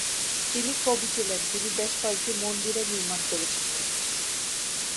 তিনি কবি ছিলেন, তিনি বেশ কয়েকটি মন্দিরও নির্মাণ করেছিলেন।